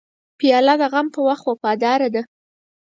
پیاله د غم په وخت وفاداره ده.